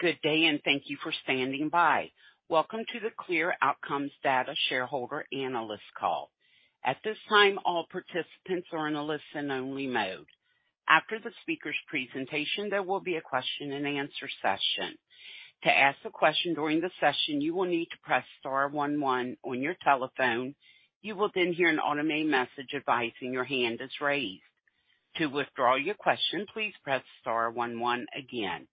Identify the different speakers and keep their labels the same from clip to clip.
Speaker 1: Good day, and thank you for standing by. Welcome to the CLEAR Outcomes Data Shareholder Analyst Call. At this time, all participants are in a listen only mode. After the speaker's presentation, there will be a question and answer session. To ask a question during the session, you will need to press star 11 on your telephone. You will then hear an automated message advising your hand is raised. To withdraw your question, please press star 11 again.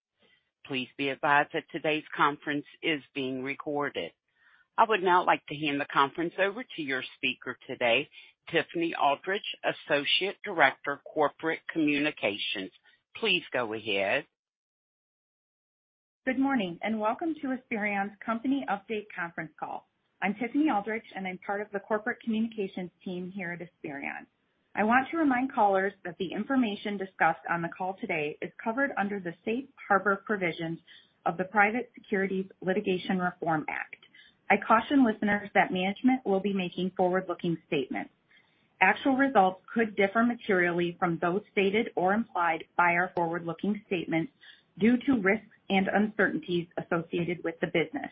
Speaker 1: Please be advised that today's conference is being recorded. I would now like to hand the conference over to your speaker today, Tiffany Aldrich, Associate Director, Corporate Communications. Please go ahead.
Speaker 2: Good morning, welcome to Esperion's Company Update Conference Call. I'm Tiffany Aldrich, I'm part of the Corporate Communications team here at Esperion. I want to remind callers that the information discussed on the call today is covered under the Safe Harbor Provisions of the Private Securities Litigation Reform Act. I caution listeners that management will be making forward-looking statements. Actual results could differ materially from those stated or implied by our forward-looking statements due to risks and uncertainties associated with the business.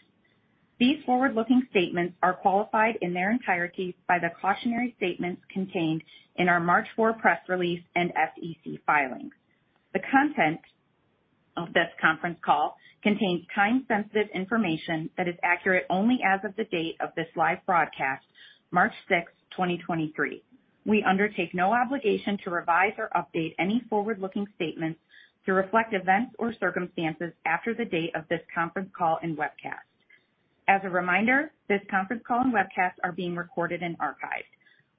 Speaker 2: These forward-looking statements are qualified in their entirety by the cautionary statements contained in our March 4 press release and SEC filings. The content of this conference call contains time-sensitive information that is accurate only as of the date of this live broadcast, March 6, 2023. We undertake no obligation to revise or update any forward-looking statements to reflect events or circumstances after the date of this conference call and webcast. As a reminder, this conference call and webcast are being recorded and archived.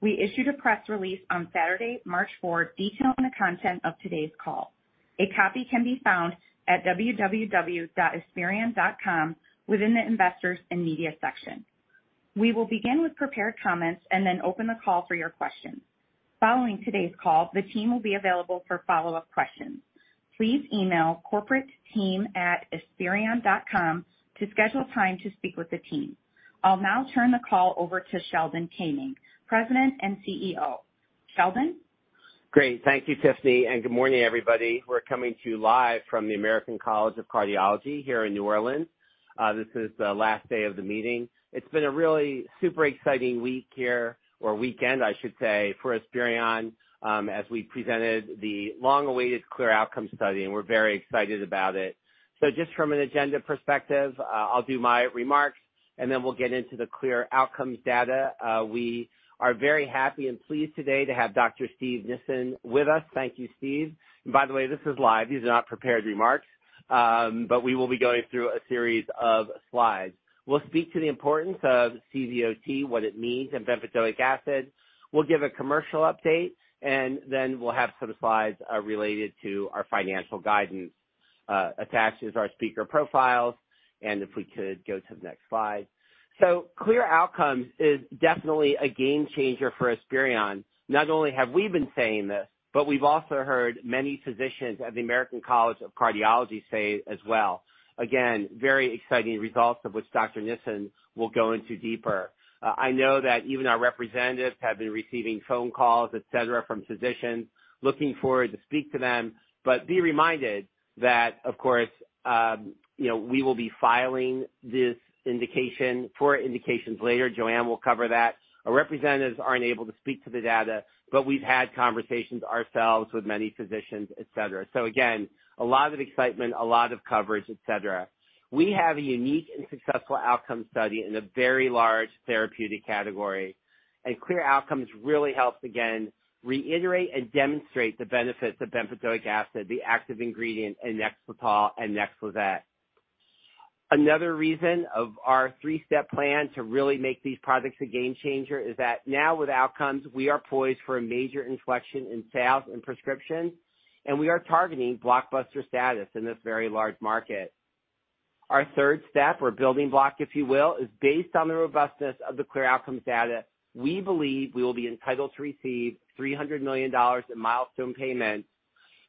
Speaker 2: We issued a press release on Saturday, March 4, detailing the content of today's call. A copy can be found at www.esperion.com within the Investors & Media section. We will begin with prepared comments and then open the call for your questions. Following today's call, the team will be available for follow-up questions. Please email corporateteam@esperion.com to schedule time to speak with the team. I'll now turn the call over to Sheldon Koenig, President and CEO. Sheldon?
Speaker 3: Great. Thank you, Tiffany. Good morning, everybody. We're coming to you live from the American College of Cardiology here in New Orleans. This is the last day of the meeting. It's been a really super exciting week here, or weekend, I should say, for Esperion, as we presented the long-awaited CLEAR Outcomes study. We're very excited about it. Just from an agenda perspective, I'll do my remarks. We'll get into the CLEAR Outcomes data. We are very happy and pleased today to have Dr. Steven Nissen with us. Thank you, Steve. By the way, this is live. These are not prepared remarks. We will be going through a series of slides. We'll speak to the importance of CVOT, what it means, and bempedoic acid. We'll give a commercial update, then we'll have some slides related to our financial guidance. Attached is our speaker profiles, if we could go to the next slide. CLEAR Outcomes is definitely a game changer for Esperion. Not only have we been saying this, we've also heard many physicians at the American College of Cardiology say as well. Again, very exciting results of which Dr. Nissen will go into deeper. I know that even our representatives have been receiving phone calls, et cetera, from physicians looking forward to speak to them. Be reminded that, of course, you know, we will be filing this indication for indications later. JoAnne will cover that. Our representatives aren't able to speak to the data, we've had conversations ourselves with many physicians, et cetera. Again, a lot of excitement, a lot of coverage, et cetera. We have a unique and successful outcome study in a very large therapeutic category. CLEAR Outcomes really helps, again, reiterate and demonstrate the benefits of bempedoic acid, the active ingredient in NEXLETOL and NEXLIZET. Another reason of our three-step plan to really make these products a game changer is that now with Outcomes, we are poised for a major inflection in sales and prescriptions, and we are targeting blockbuster status in this very large market. Our third step or building block, if you will, is based on the robustness of the CLEAR Outcomes data. We believe we will be entitled to receive $300 million in milestone payments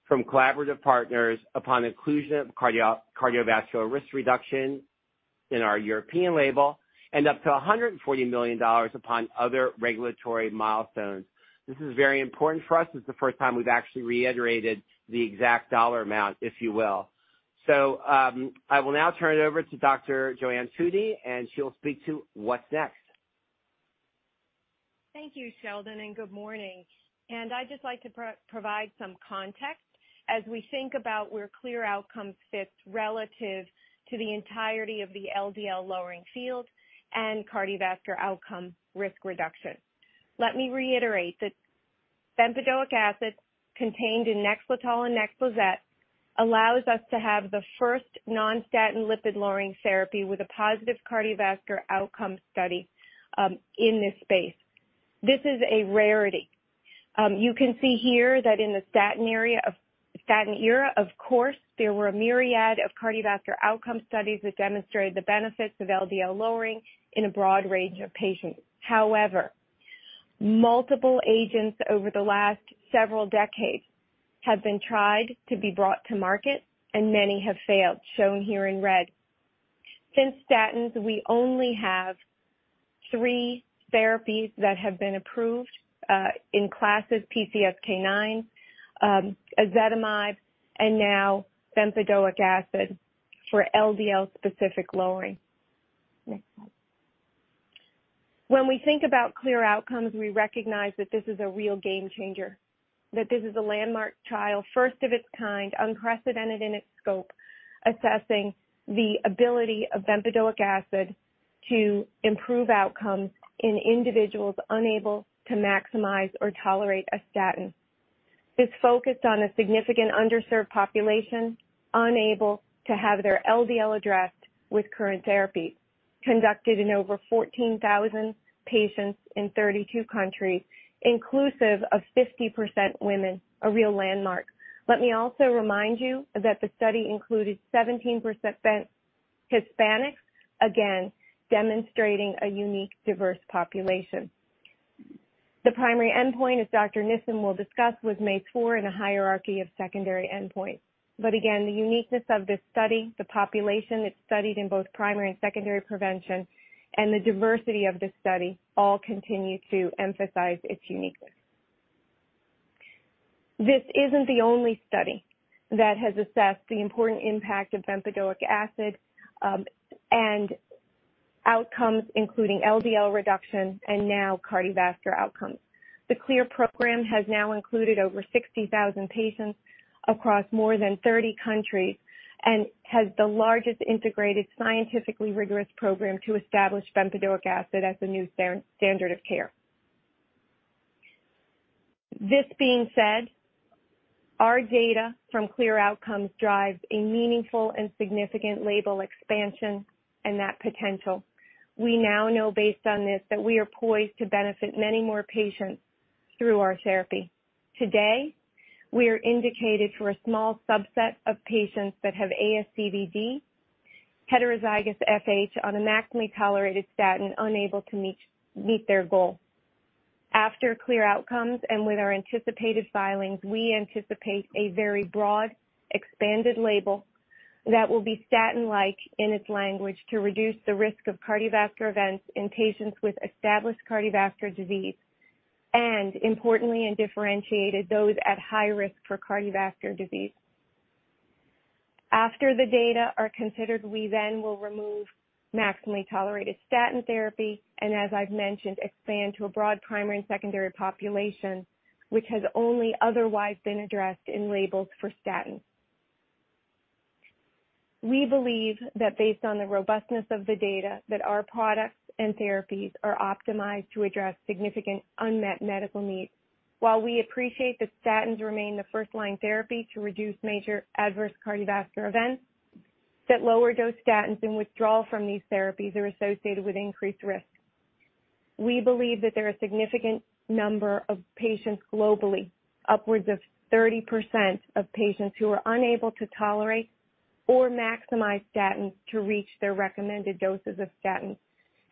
Speaker 3: from collaborative partners upon inclusion of cardiovascular risk reduction in our European label and up to $140 million upon other regulatory milestones. This is very important for us. It's the first time we've actually reiterated the exact dollar amount, if you will. I will now turn it over to Dr. JoAnne Foody, and she'll speak to what's next.
Speaker 4: Thank you, Sheldon. Good morning. I'd just like to provide some context as we think about where CLEAR Outcomes fits relative to the entirety of the LDL lowering field and cardiovascular outcome risk reduction. Let me reiterate that bempedoic acid contained in NEXLETOL and NEXLIZET allows us to have the first non-statin lipid-lowering therapy with a positive cardiovascular outcome study in this space. This is a rarity. You can see here that in the statin era, of course, there were a myriad of cardiovascular outcome studies that demonstrated the benefits of LDL lowering in a broad range of patients. However, multiple agents over the last several decades have been tried to be brought to market, and many have failed, shown here in red. Since statins, we only have three therapies that have been approved in classes PCSK9, ezetimibe, and now bempedoic acid for LDL specific lowering. Next slide. When we think about CLEAR Outcomes, we recognize that this is a real game changer, that this is a landmark trial, first of its kind, unprecedented in its scope, assessing the ability of bempedoic acid to improve outcomes in individuals unable to maximize or tolerate a statin. It's focused on a significant underserved population, unable to have their LDL addressed with current therapy. Conducted in over 14,000 patients in 32 countries, inclusive of 50% women. A real landmark. Let me also remind you that the study included 17% Hispanics, again, demonstrating a unique, diverse population. The primary endpoint, as Dr. Nissen will discuss, was MACE-4 and a hierarchy of secondary endpoints. Again, the uniqueness of this study, the population it studied in both primary and secondary prevention, and the diversity of this study all continue to emphasize its uniqueness. This isn't the only study that has assessed the important impact of bempedoic acid and outcomes including LDL reduction and now cardiovascular outcomes. The CLEAR program has now included over 60,000 patients across more than 30 countries and has the largest integrated, scientifically rigorous program to establish bempedoic acid as the new standard of care. This being said, our data from CLEAR Outcomes drives a meaningful and significant label expansion and that potential. We now know based on this, that we are poised to benefit many more patients through our therapy. Today, we are indicated for a small subset of patients that have ASCVD, heterozygous FH on a maximally tolerated statin, unable to meet their goal. After CLEAR Outcomes and with our anticipated filings, we anticipate a very broad, expanded label that will be statin-like in its language to reduce the risk of cardiovascular events in patients with established cardiovascular disease, and importantly and differentiated, those at high risk for cardiovascular disease. After the data are considered, we then will remove maximally tolerated statin therapy and as I've mentioned, expand to a broad primary and secondary population, which has only otherwise been addressed in labels for statins. We believe that based on the robustness of the data, that our products and therapies are optimized to address significant unmet medical needs. While we appreciate that statins remain the first line therapy to reduce major adverse cardiovascular events, that lower dose statins and withdrawal from these therapies are associated with increased risk. We believe that there are a significant number of patients globally, upwards of 30% of patients, who are unable to tolerate or maximize statins to reach their recommended doses of statins,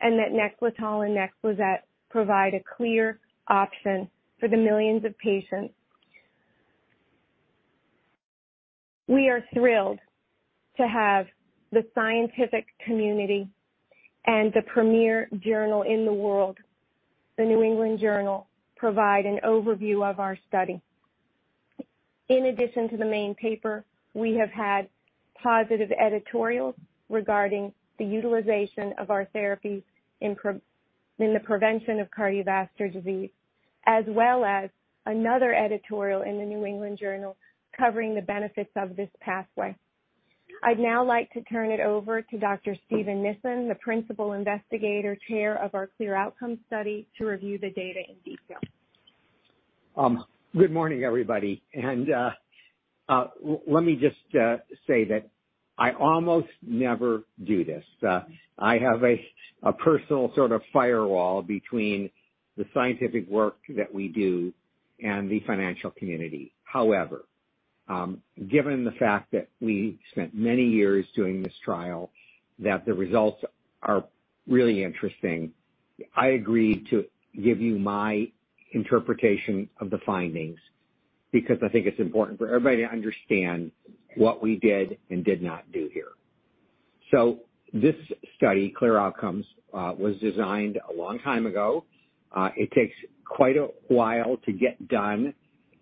Speaker 4: and that NEXLETOL and NEXLIZET provide a clear option for the millions of patients. We are thrilled to have the scientific community and the premier journal in the world, the New England Journal, provide an overview of our study. In addition to the main paper, we have had positive editorials regarding the utilization of our therapy in the prevention of cardiovascular disease, as well as another editorial in The New England Journal covering the benefits of this pathway. I'd now like to turn it over to Dr. Steven Nissen, the Principal Investigator, Chair of our CLEAR Outcomes study, to review the data in detail.
Speaker 5: Good morning, everybody. Let me just say that I almost never do this. I have a personal sort of firewall between the scientific work that we do and the financial community. However, given the fact that we spent many years doing this trial, that the results are really interesting, I agreed to give you my interpretation of the findings because I think it's important for everybody to understand what we did and did not do here. This study, CLEAR Outcomes, was designed a long time ago. It takes quite a while to get done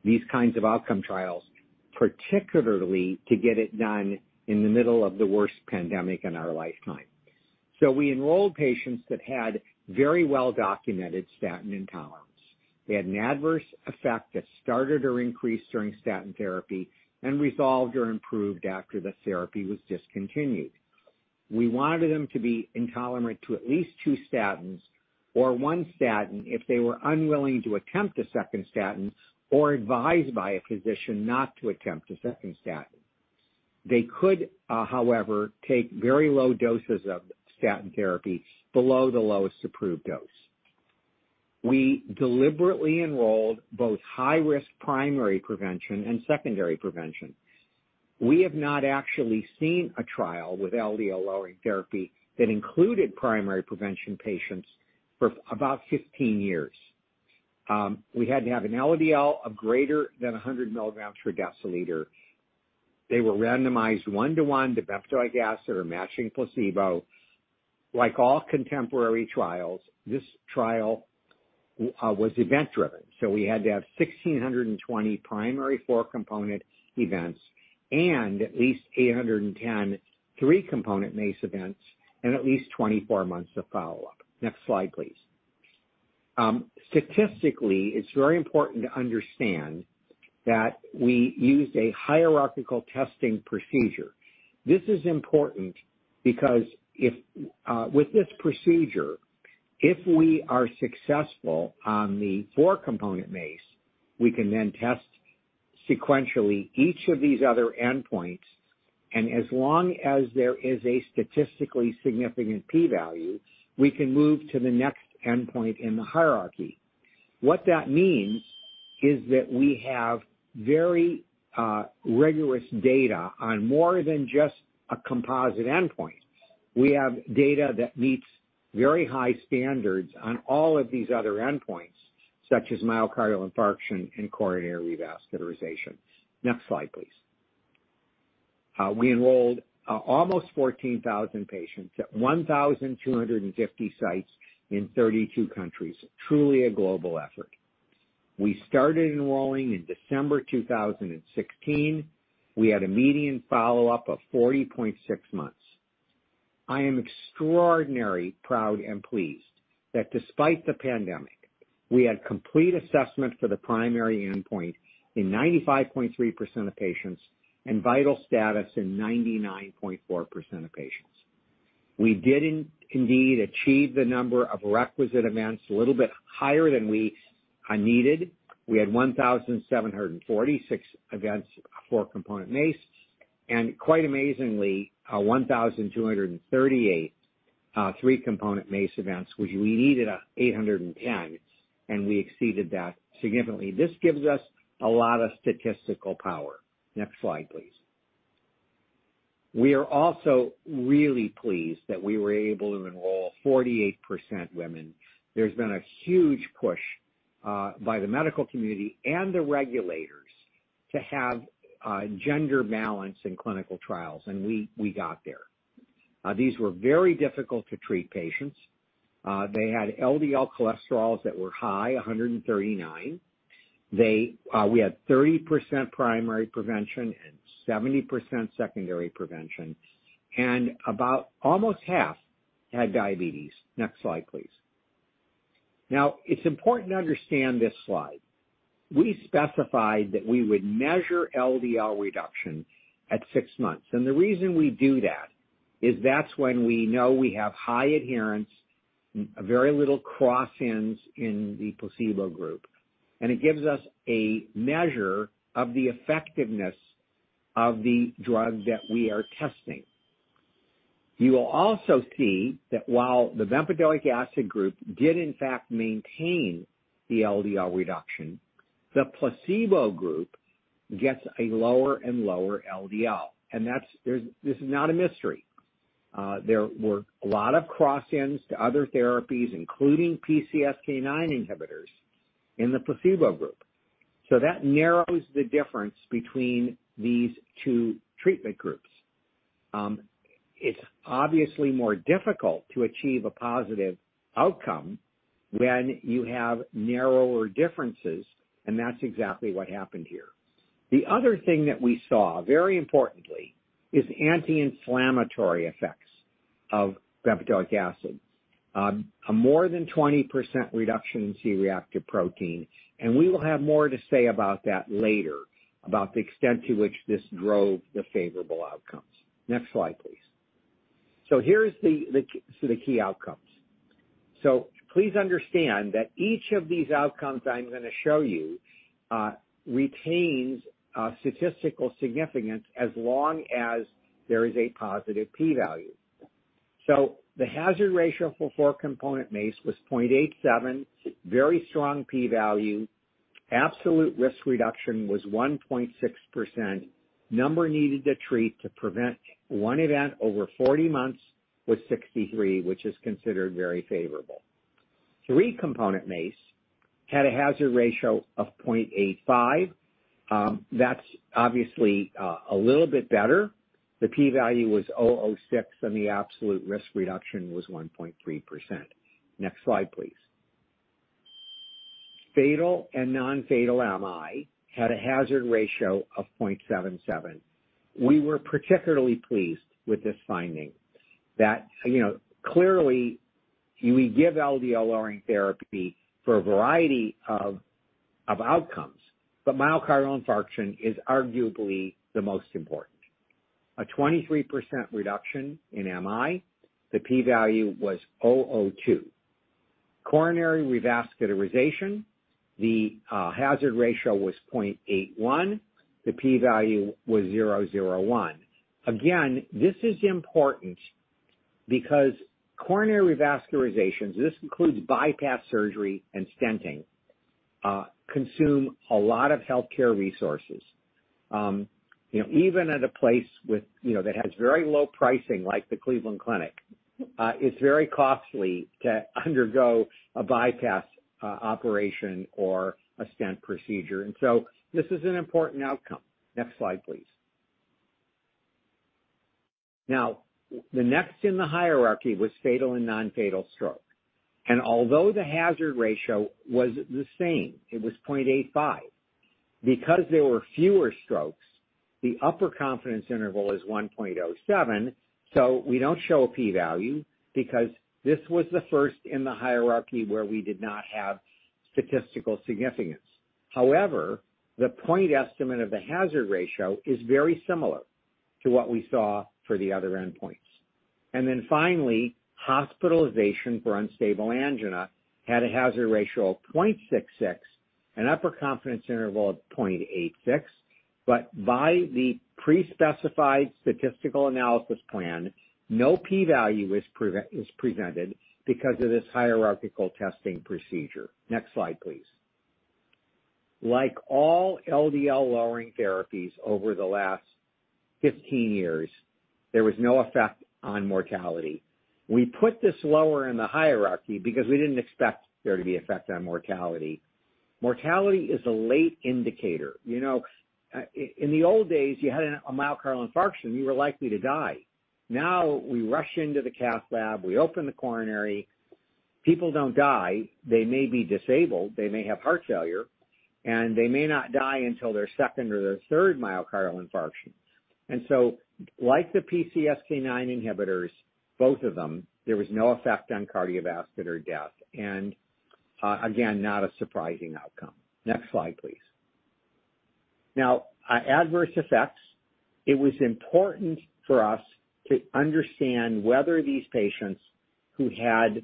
Speaker 5: these kinds of outcome trials, particularly to get it done in the middle of the worst pandemic in our lifetime. We enrolled patients that had very well-documented statin intolerance. They had an adverse effect that started or increased during statin therapy and resolved or improved after the therapy was discontinued. We wanted them to be intolerant to at least two statins, or one statin if they were unwilling to attempt a second statin or advised by a physician not to attempt a second statin. They could, however, take very low doses of statin therapy below the lowest approved dose. We deliberately enrolled both high-risk primary prevention and secondary prevention. We have not actually seen a trial with LDL-lowering therapy that included primary prevention patients for about 15 years. We had to have an LDL of greater than 100 mg per deciliter. They were randomized 1-to-1 bempedoic acid or matching placebo. Like all contemporary trials, this trial was event-driven, so we had to have 1,620 primary four-component events and at least 810 three-component MACE events and at least 24 months of follow-up. Next slide, please. Statistically, it's very important to understand that we used a hierarchical testing procedure. This is important because if with this procedure, if we are successful on the four-component MACE, we can then test sequentially each of these other endpoints, and as long as there is a statistically significant p-value, we can move to the next endpoint in the hierarchy. What that means is that we have very rigorous data on more than just a composite endpoint. We have data that meets very high standards on all of these other endpoints, such as myocardial infarction and coronary revascularization. Next slide, please. We enrolled almost 14,000 patients at 1,250 sites in 32 countries. Truly a global effort. We started enrolling in December 2016. We had a median follow-up of 40.6 months. I am extraordinarily proud and pleased that despite the pandemic, we had complete assessment for the primary endpoint in 95.3% of patients and vital status in 99.4% of patients. We did indeed achieve the number of requisite events a little bit higher than we needed. We had 1,746 events against four-component MACE, and quite amazingly, 1,238 three-component MACE events. We needed 810, and we exceeded that significantly. This gives us a lot of statistical power. Next slide, please. We are also really pleased that we were able to enroll 48% women. There's been a huge push by the medical community and the regulators to have gender balance in clinical trials, we got there. These were very difficult to treat patients. They had LDL cholesterols that were high, 139. We had 30% primary prevention and 70% secondary prevention, about almost half had diabetes. Next slide, please. It's important to understand this slide. We specified that we would measure LDL reduction at six months, the reason we do that is that's when we know we have high adherence, very little cross-ins in the placebo group. It gives us a measure of the effectiveness of the drug that we are testing. You will also see that while the bempedoic acid group did in fact maintain the LDL reduction, the placebo group gets a lower and lower LDL. That's, this is not a mystery. There were a lot of cross-ins to other therapies, including PCSK9 inhibitors in the placebo group. That narrows the difference between these two treatment groups. It's obviously more difficult to achieve a positive outcome when you have narrower differences, and that's exactly what happened here. The other thing that we saw, very importantly, is anti-inflammatory effects of bempedoic acid. A more than 20% reduction in C-reactive protein, and we will have more to say about that later, about the extent to which this drove the favorable outcomes. Next slide, please. Here's the key outcomes. Please understand that each of these outcomes I'm gonna show you retains statistical significance as long as there is a positive p-value. The hazard ratio for four-component MACE was 0.87, very strong p-value. Absolute risk reduction was 1.6%. Number needed to treat to prevent one event over 40 months was 63, which is considered very favorable. Three-component MACE had a hazard ratio of 0.85. That's obviously a little bit better. The p-value was 0.006, and the absolute risk reduction was 1.3%. Next slide, please. Fatal and non-fatal MI had a hazard ratio of 0.77. We were particularly pleased with this finding that, you know, clearly we give LDL lowering therapy for a variety of outcomes, but myocardial infarction is arguably the most important. A 23% reduction in MI, the p-value was 0.002. Coronary revascularization, the hazard ratio was 0.81. The p-value was 0.001. This is important because coronary revascularization, this includes bypass surgery and stenting, consume a lot of healthcare resources. You know, even at a place with, you know, that has very low pricing, like the Cleveland Clinic, it's very costly to undergo a bypass operation or a stent procedure, this is an important outcome. Next slide, please. The next in the hierarchy was fatal and non-fatal stroke, although the hazard ratio was the same, it was 0.85, because there were fewer strokes, the upper confidence interval is 1.07. We don't show a p-value because this was the first in the hierarchy where we did not have statistical significance. However, the point estimate of the hazard ratio is very similar to what we saw for the other endpoints. Finally, hospitalization for unstable angina had a hazard ratio of 0.66, an upper confidence interval of 0.86. By the pre-specified statistical analysis plan, no p-value is presented because of this hierarchical testing procedure. Next slide, please. Like all LDL lowering therapies over the last 15 years, there was no effect on mortality. We put this lower in the hierarchy because we didn't expect there to be effect on mortality. Mortality is a late indicator. You know, in the old days, you had a myocardial infarction, you were likely to die. We rush into the cath lab, we open the coronary. People don't die. They may be disabled, they may have heart failure, and they may not die until their second or their third myocardial infarction. Like the PCSK9 inhibitors, both of them, there was no effect on cardiovascular death, again, not a surprising outcome. Next slide, please. adverse effects. It was important for us to understand whether these patients who had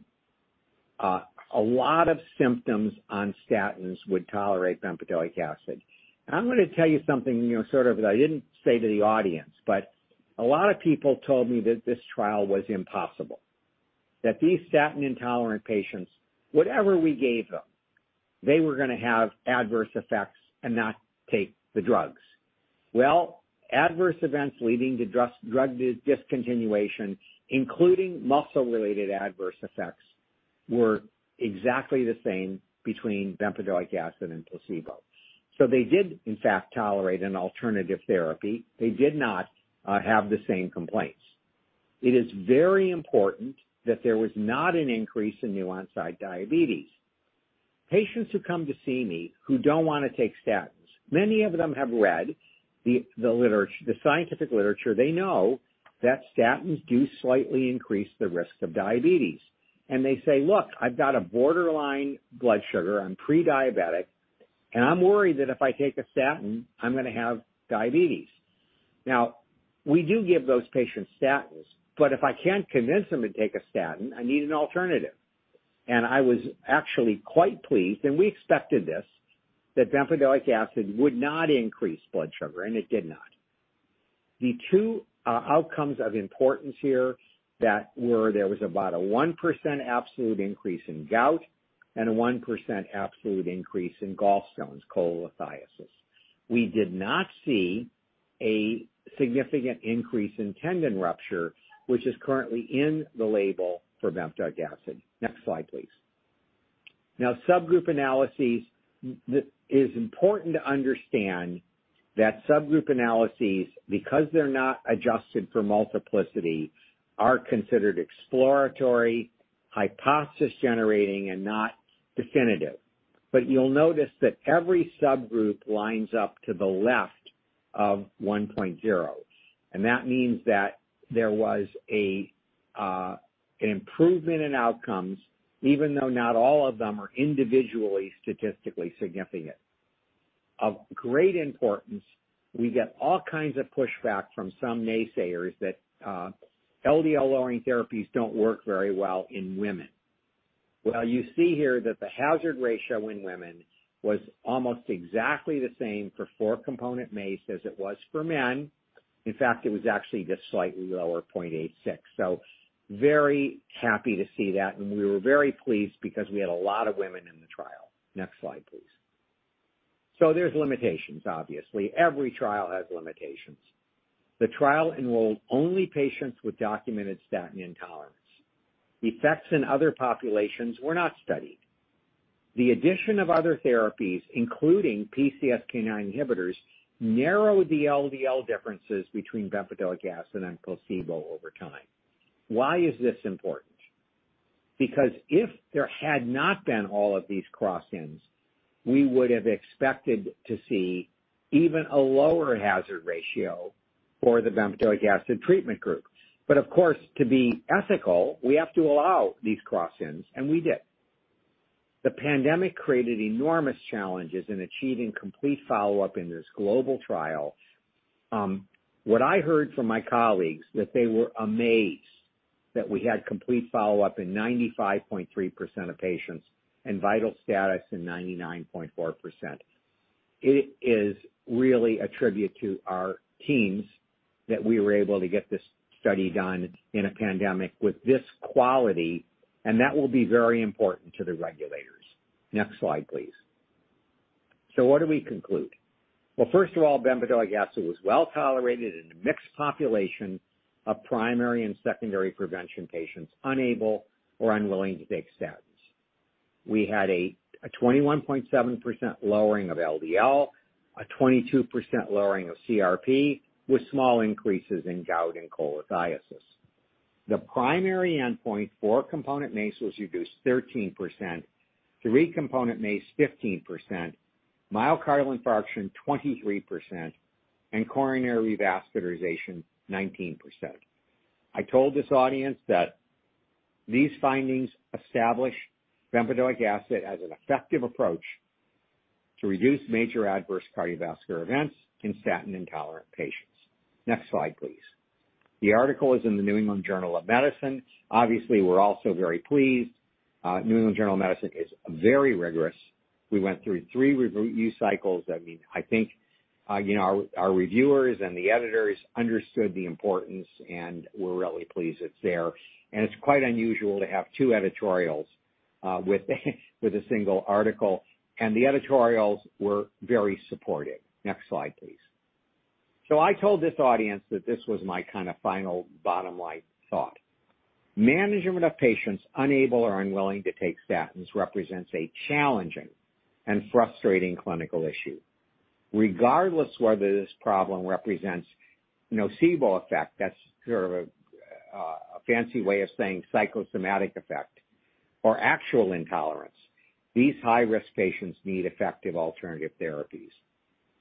Speaker 5: a lot of symptoms on statins would tolerate bempedoic acid. I'm gonna tell you something, you know, sort of that I didn't say to the audience, but a lot of people told me that this trial was impossible, that these statin intolerant patients, whatever we gave them, they were gonna have adverse effects and not take the drugs. Adverse events leading to drug discontinuation, including muscle-related adverse effects, were exactly the same between bempedoic acid and placebo. They did in fact tolerate an alternative therapy. They did not have the same complaints. It is very important that there was not an increase in new onset diabetes. Patients who come to see me who don't wanna take statins, many of them have read the literature, the scientific literature. They know that statins do slightly increase the risk of diabetes. They say, "Look, I've got a borderline blood sugar. I'm pre-diabetic, and I'm worried that if I take a statin, I'm gonna have diabetes." Now, we do give those patients statins, but if I can't convince them to take a statin, I need an alternative. I was actually quite pleased, and we expected this, that bempedoic acid would not increase blood sugar, and it did not. The two outcomes of importance here that were there was about a 1% absolute increase in gout and a 1% absolute increase in gallstones, cholelithiasis. We did not see a significant increase in tendon rupture, which is currently in the label for bempedoic acid. Next slide, please. Now, subgroup analyses. It is important to understand that subgroup analyses, because they're not adjusted for multiplicity, are considered exploratory, hypothesis-generating and not definitive. You'll notice that every subgroup lines up to the left of 1.0, and that means that there was an improvement in outcomes, even though not all of them are individually statistically significant. Of great importance, we get all kinds of pushback from some naysayers that LDL lowering therapies don't work very well in women. You see here that the hazard ratio in women was almost exactly the same for four-component MACE as it was for men. In fact, it was actually just slightly lower, 0.86. Very happy to see that, and we were very pleased because we had a lot of women in the trial. Next slide, please. There's limitations obviously. Every trial has limitations. The trial enrolled only patients with documented statin intolerance. Effects in other populations were not studied. The addition of other therapies, including PCSK9 inhibitors, narrowed the LDL differences between bempedoic acid and placebo over time. Why is this important? If there had not been all of these cross-ins, we would have expected to see even a lower hazard ratio for the bempedoic acid treatment group. Of course, to be ethical, we have to allow these cross-ins, and we did. The pandemic created enormous challenges in achieving complete follow-up in this global trial. What I heard from my colleagues that they were amazed that we had complete follow-up in 95.3% of patients and vital status in 99.4%. It is really a tribute to our teams that we were able to get this study done in a pandemic with this quality, that will be very important to the regulators. Next slide, please. What do we conclude? Well, first of all, bempedoic acid was well tolerated in a mixed population of primary and secondary prevention patients unable or unwilling to take statins. We had a 21.7% lowering of LDL, a 22% lowering of CRP with small increases in gout and cholelithiasis. The primary endpoint, four-component MACE, was reduced 13%. Three-component MACE, 15%, myocardial infarction, 23%, and coronary revascularization, 19%. I told this audience that these findings establish bempedoic acid as an effective approach to reduce major adverse cardiovascular events in statin-intolerant patients. Next slide, please. The article is in The New England Journal of Medicine. Obviously, we're also very pleased. The New England Journal of Medicine is very rigorous. We went through three review cycles. I mean, I think, you know, our reviewers and the editors understood the importance, and we're really pleased it's there. It's quite unusual to have two editorials, with a single article, and the editorials were very supportive. Next slide, please. I told this audience that this was my kind of final bottom line thought. Management of patients unable or unwilling to take statins represents a challenging and frustrating clinical issue. Regardless whether this problem represents nocebo effect, that's sort of a fancy way of saying psychosomatic effect or actual intolerance, these high-risk patients need effective alternative therapies.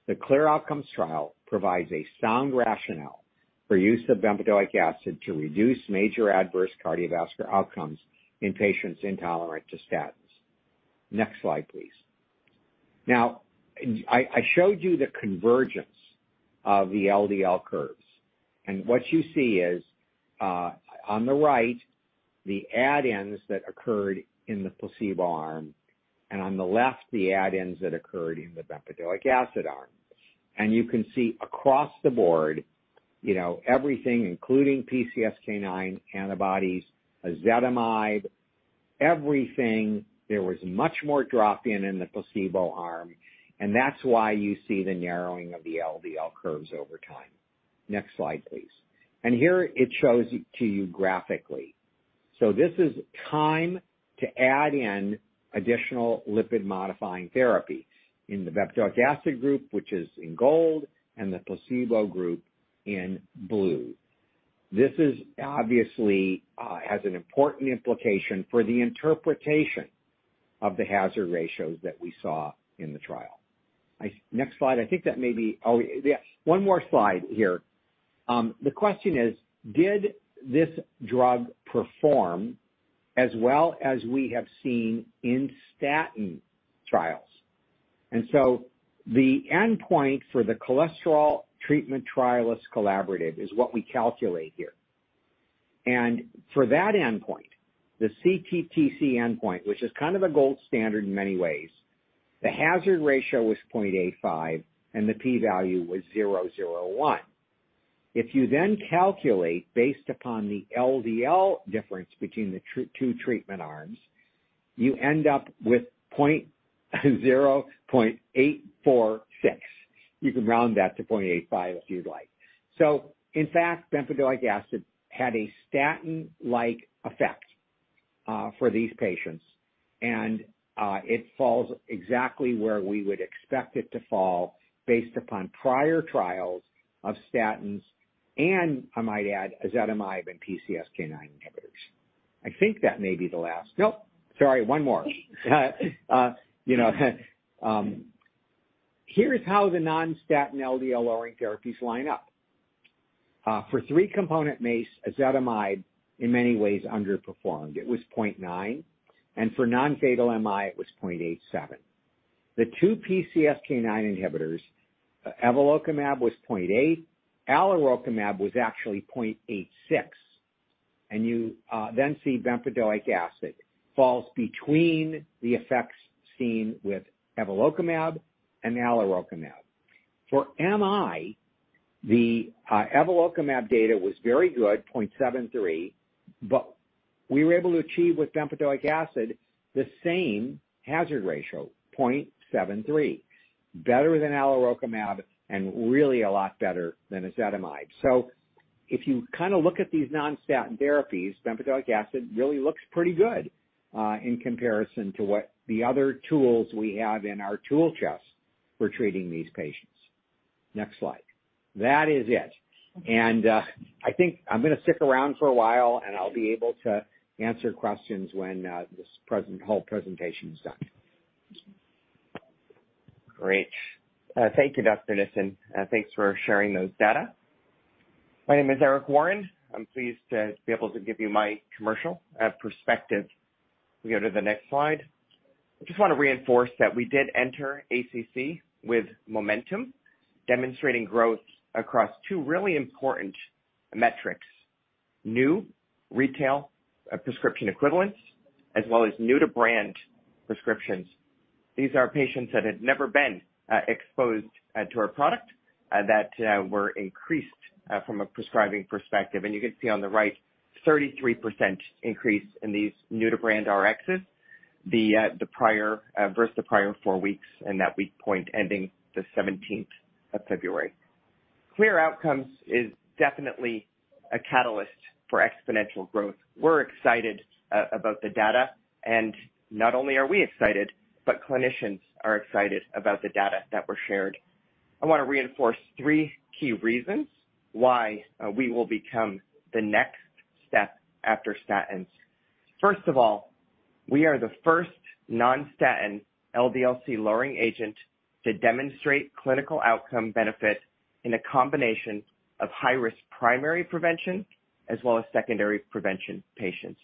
Speaker 5: The CLEAR Outcomes trial provides a sound rationale for use of bempedoic acid to reduce major adverse cardiovascular outcomes in patients intolerant to statins. Next slide, please. I showed you the convergence of the LDL curves, and what you see is on the right, the add-ins that occurred in the placebo arm, and on the left, the add-ins that occurred in the bempedoic acid arm. You can see across the board, you know, everything including PCSK9 antibodies, ezetimibe, everything, there was much more drop-in in the placebo arm, and that's why you see the narrowing of the LDL curves over time. Next slide, please. Here it shows to you graphically. This is time to add in additional lipid-modifying therapy in the bempedoic acid group, which is in gold, and the placebo group in blue. This is obviously has an important implication for the interpretation of the hazard ratios that we saw in the trial. Next slide. Oh, yeah, one more slide here. The question is, did this drug perform as well as we have seen in statin trials? The endpoint for the cholesterol treatment trial is collaborative is what we calculate here. For that endpoint, the CTTC endpoint, which is kind of a gold standard in many ways, the hazard ratio was 0.85, and the p-value was 0.001. If you then calculate based upon the LDL difference between the two treatment arms, you end up with 0.846. You can round that to 0.85 if you'd like. In fact, bempedoic acid had a statin-like effect for these patients. It falls exactly where we would expect it to fall based upon prior trials of statins and, I might add, ezetimibe and PCSK9 inhibitors. I think that may be the last. Nope, sorry, one more. You know, here's how the non-statin LDL lowering therapies line up. For three-component MACE, ezetimibe in many ways underperformed. It was 0.9, and for non-fatal MI, it was 0.87. The two PCSK9 inhibitors, evolocumab was 0.8. Alirocumab was actually 0.86. You then see bempedoic acid falls between the effects seen with evolocumab and alirocumab. For MI, the evolocumab data was very good, 0.73, we were able to achieve with bempedoic acid the same hazard ratio, 0.73, better than alirocumab and really a lot better than ezetimibe. If you kind of look at these non-statin therapies, bempedoic acid really looks pretty good in comparison to what the other tools we have in our tool chest for treating these patients. Next slide. That is it. I think I'm gonna stick around for a while, and I'll be able to answer questions when whole presentation is done.
Speaker 6: Great. Thank you, Dr. Nissen. Thanks for sharing those data. My name is Eric Warren. I'm pleased to be able to give you my commercial perspective. We go to the next slide. I just want to reinforce that we did enter ACC with momentum, demonstrating growth across two really important metrics, new retail prescription equivalents, as well as new-to-brand prescriptions. These are patients that had never been exposed to our product that were increased from a prescribing perspective. You can see on the right, 33% increase in these new-to-brand Rxs, the prior versus the prior four weeks, and that week point ending the 17th of February. CLEAR Outcomes is definitely a catalyst for exponential growth. We're excited about the data, and not only are we excited, but clinicians are excited about the data that were shared. I wanna reinforce three key reasons why we will become the next step after statins. First of all, we are the first non-statin LDL-C lowering agent to demonstrate clinical outcome benefit in a combination of high risk primary prevention as well as secondary prevention patients.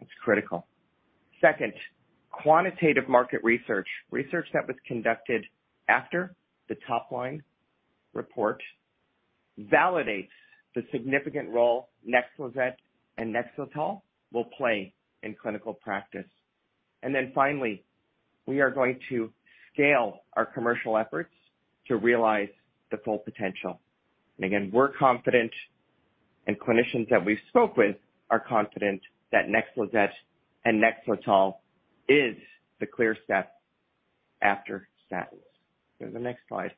Speaker 6: It's critical. Second, quantitative market research that was conducted after the top line report, validates the significant role NEXLIZET and NEXLETOL will play in clinical practice. Finally, we are going to scale our commercial efforts to realize the full potential. Again, we're confident and clinicians that we've spoke with are confident that NEXLIZET and NEXLETOL is the clear step after statins. Go to the next slide.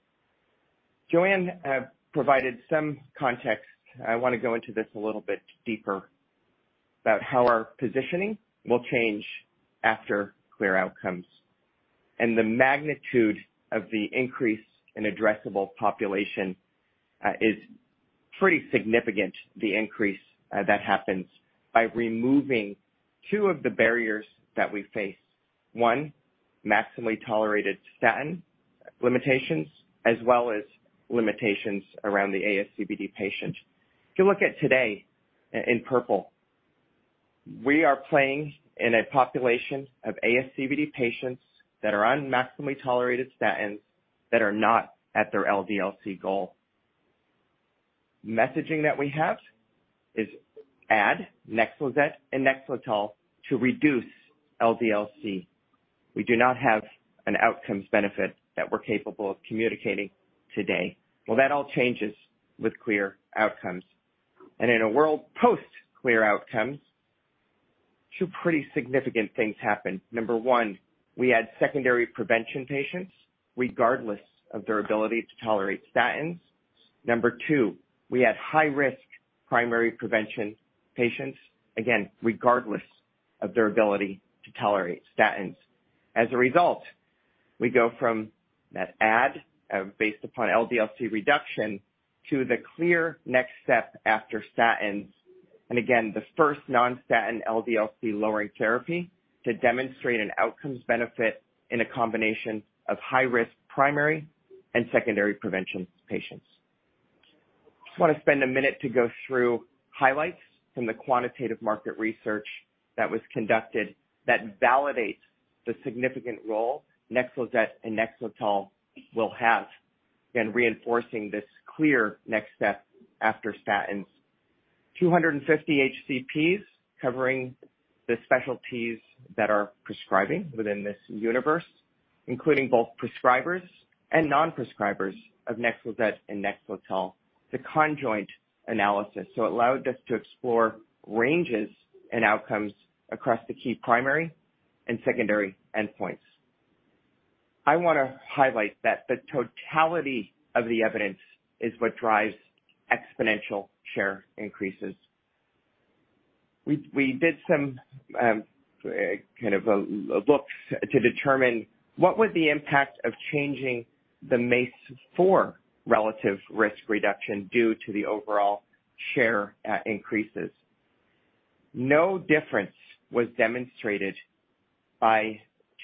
Speaker 6: JoAnne provided some context. I wanna go into this a little bit deeper about how our positioning will change after CLEAR Outcomes. The magnitude of the increase in addressable population is pretty significant, the increase that happens by removing two of the barriers that we face. One, maximally tolerated statin limitations, as well as limitations around the ASCVD patient. If you look at today in purple, we are playing in a population of ASCVD patients that are on maximally tolerated statins that are not at their LDL-C goal. Messaging that we have is add NEXLIZET and NEXLETOL to reduce LDL-C. We do not have an outcomes benefit that we're capable of communicating today. That all changes with CLEAR Outcomes. In a world post CLEAR Outcomes, two pretty significant things happen. Number one, we add secondary prevention patients regardless of their ability to tolerate statins. Number two, we add high risk primary prevention patients, again, regardless of their ability to tolerate statins. As a result, we go from that add, based upon LDL-C reduction to the clear next step after statins. Again, the first non-statin LDL-C lowering therapy to demonstrate an outcomes benefit in a combination of high risk primary and secondary prevention patients. Wanna spend a minute to go through highlights from the quantitative market research that was conducted that validates the significant role NEXLIZET and NEXLETOL will have in reinforcing this clear next step after statins. 250 HCPs covering the specialties that are prescribing within this universe, including both prescribers and non-prescribers of NEXLIZET and NEXLETOL, the conjoint analysis. It allowed us to explore ranges and outcomes across the key primary and secondary endpoints. Wanna highlight that the totality of the evidence is what drives exponential share increases. We did some kind of a look to determine what would the impact of changing the MACE-4 relative risk reduction due to the overall share increases. No difference was demonstrated by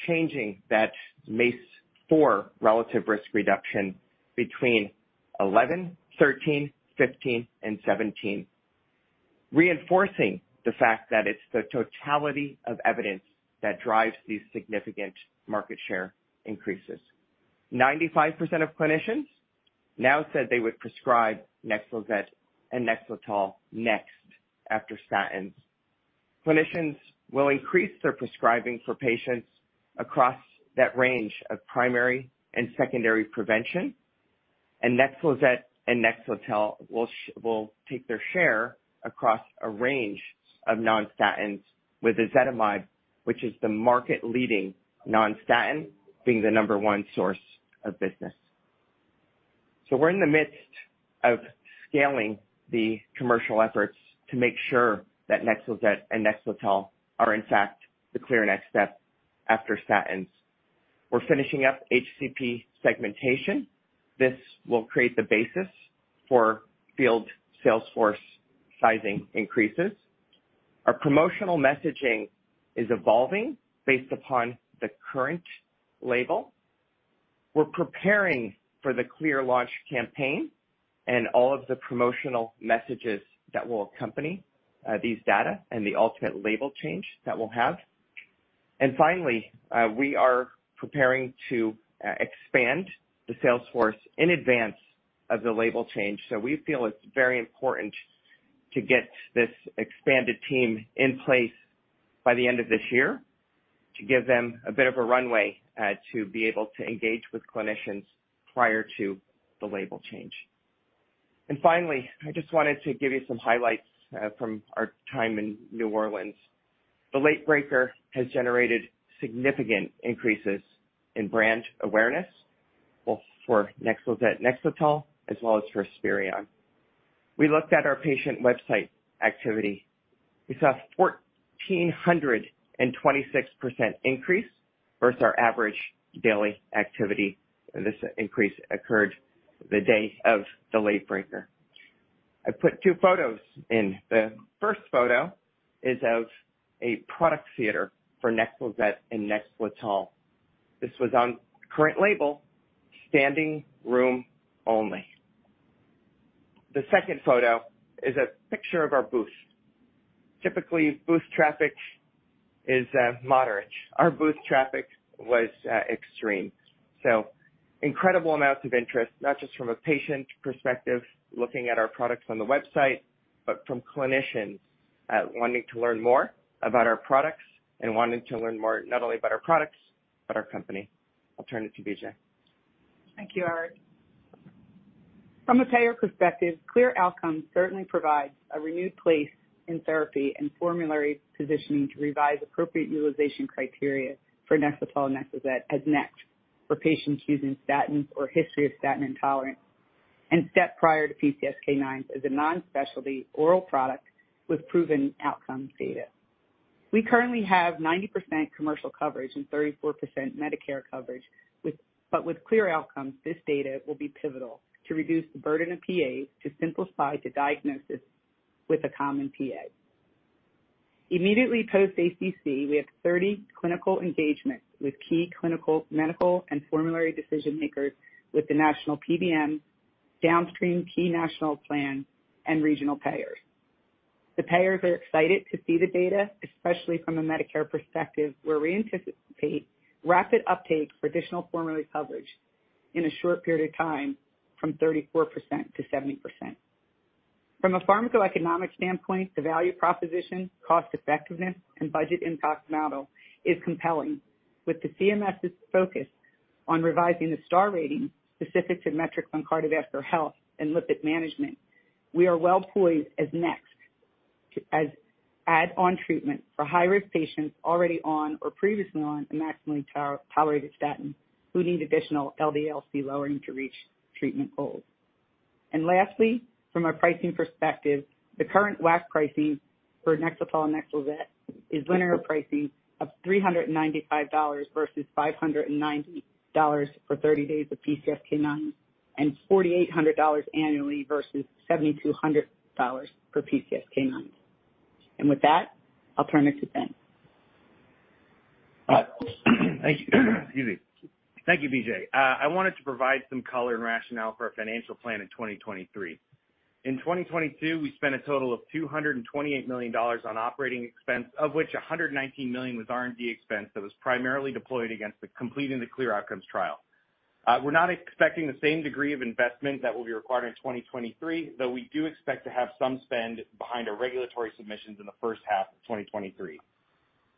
Speaker 6: changing that MACE-4 relative risk reduction between 11%, 13%, 15%, and 17%, reinforcing the fact that it's the totality of evidence that drives these significant market share increases. 95% of clinicians now said they would prescribe NEXLIZET and NEXLETOL next after statins. Clinicians will increase their prescribing for patients across that range of primary and secondary prevention, NEXLIZET and NEXLETOL will take their share across a range of non-statins with ezetimibe, which is the market leading non-statin, being the number one source of business. We're in the midst of scaling the commercial efforts to make sure that NEXLIZET and NEXLETOL are in fact the clear next step after statins. We're finishing up HCP segmentation. This will create the basis for field sales force sizing increases. Our promotional messaging is evolving based upon the current label. We're preparing for the CLEAR launch campaign and all of the promotional messages that will accompany these data and the ultimate label change that we'll have. Finally, we are preparing to expand the sales force in advance of the label change. We feel it's very important to get this expanded team in place by the end of this year to give them a bit of a runway to be able to engage with clinicians prior to the label change. Finally, I just wanted to give you some highlights from our time in New Orleans. The Late Breaker has generated significant increases in brand awareness both for NEXLET and NEXLETOL, as well as for Esperion. We looked at our patient website activity. We saw 1,426% increase versus our average daily activity. This increase occurred the day of the Late Breaker. I put two photos in. The first photo is of a product theater for NEXLIZET and NEXLETOL. This was on current label, standing room only. The second photo is a picture of our booth. Typically, booth traffic is moderate. Our booth traffic was extreme. Incredible amounts of interest, not just from a patient perspective, looking at our products on the website, but from clinicians wanting to learn more about our products and wanting to learn more not only about our products, but our company. I'll turn it to B.J.
Speaker 7: Thank you, Eric. From a payer perspective, CLEAR Outcomes certainly provides a renewed place in therapy and formulary positioning to revise appropriate utilization criteria for NEXLETOL, NEXLIZET as next for patients using statins or history of statin intolerance. Step prior to PCSK9 as a non-specialty oral product with proven outcomes data. We currently have 90% commercial coverage and 34% Medicare coverage, but with CLEAR Outcomes, this data will be pivotal to reduce the burden of PAs to simplify the diagnosis with a common PA. Immediately post-ACC, we have 30 clinical engagements with key clinical, medical, and formulary decision-makers with the national PBM, downstream key national plan, and regional payers. The payers are excited to see the data, especially from a Medicare perspective, where we anticipate rapid uptake for additional formulary coverage in a short period of time from 34% to 70%. From a pharmacoeconomic standpoint, the value proposition, cost-effectiveness, and budget impact model is compelling. With the CMS's focus on revising the star rating specific to metrics on cardiovascular health and lipid management, we are well poised as add-on treatment for high-risk patients already on or previously on a maximally tolerated statin, who need additional LDL-C lowering to reach treatment goals. Lastly, from a pricing perspective, the current WAC pricing for NEXLETOL, NEXLIZET is linear pricing of $395 versus $590 for 30 days of PCSK9 and $4,800 annually versus $7,200 for PCSK9. With that, I'll turn it to Ben.
Speaker 8: All right. Thank you. Excuse me. Thank you, B.J. I wanted to provide some color and rationale for our financial plan in 2023. In 2022, we spent a total of $228 million on operating expense, of which $119 million was R&D expense that was primarily deployed against the completing the CLEAR Outcomes trial. We're not expecting the same degree of investment that will be required in 2023, though we do expect to have some spend behind our regulatory submissions in the first half of 2023.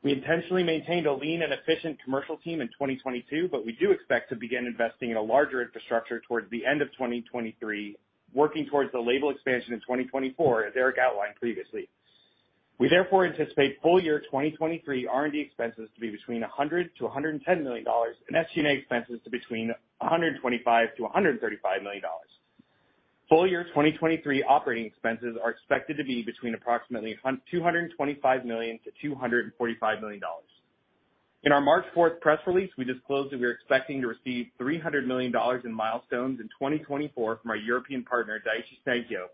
Speaker 8: We intentionally maintained a lean and efficient commercial team in 2022, we do expect to begin investing in a larger infrastructure towards the end of 2023, working towards the label expansion in 2024, as Eric outlined previously. We therefore anticipate full year 2023 R&D expenses to be between $100 million to $110 million and SG&A expenses to between $125 million to $135 million. Full year 2023 operating expenses are expected to be between approximately $225 million to $245 million. In our March 4th press release, we disclosed that we are expecting to receive $300 million in milestones in 2024 from our European partner, Daiichi Sankyo,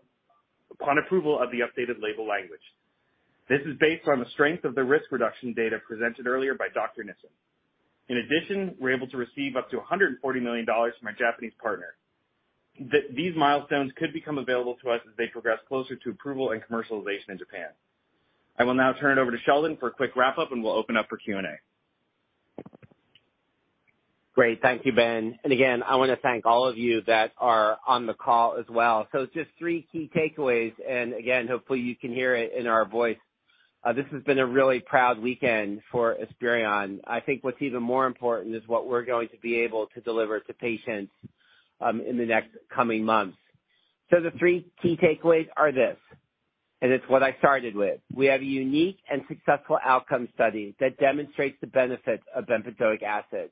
Speaker 8: upon approval of the updated label language. This is based on the strength of the risk reduction data presented earlier by Dr. Nissen. We're able to receive up to $140 million from our Japanese partner. These milestones could become available to us as they progress closer to approval and commercialization in Japan. I will now turn it over to Sheldon for a quick wrap-up, and we'll open up for Q&A.
Speaker 3: Thank you, Ben. Again, I wanna thank all of you that are on the call as well. Just three key takeaways, again, hopefully, you can hear it in our voice. This has been a really proud weekend for Esperion. I think what's even more important is what we're going to be able to deliver to patients in the next coming months. The three key takeaways are this, and it's what I started with. We have a unique and successful outcome study that demonstrates the benefits of bempedoic acid.